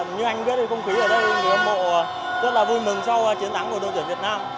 như anh biết không khí ở đây người hâm mộ rất là vui mừng sau chiến thắng của đội tuyển việt nam